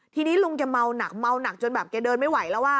ทีนี้ลุงแกเมาหนักเมาหนักจนแบบแกเดินไม่ไหวแล้วอ่ะ